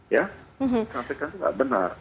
ya sampai sampai itu tidak benar